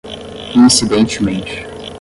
incidentemente